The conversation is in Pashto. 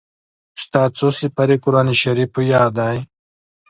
ستا څو سېپارې قرآن شريف په ياد دئ.